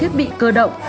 thiết bị cơ động